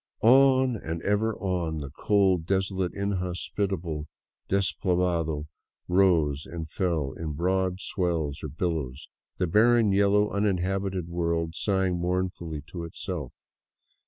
On and ever on the cold, desolate, inhospitable despoblado rose and fell in broad swells or billows, the barren, yellow, uninhabited world sighing mournfully to itself.